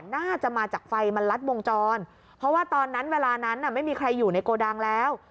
น่าจะมาจากไฟมันลัดวงจรเพราะว่าตอนนั้นเวลานั้นไม่มีใครอยู่ในโกดังแล้ว